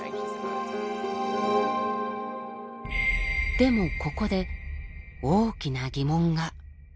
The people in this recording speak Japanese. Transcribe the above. でもここで大きな疑問が。